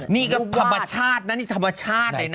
นี่ก็ธรรมชาตินะนี่ธรรมชาติเลยนะ